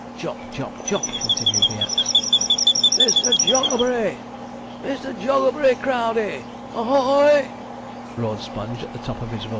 'Chop, chop, chop,' continued the axe. 'Mister Jogglebury! Mister Jogglebury Crowdey a hooi!' roared Sponge, at the top of his voice.